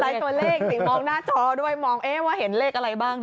ตัวเลขสิมองหน้าจอด้วยมองว่าเห็นเลขอะไรบ้าง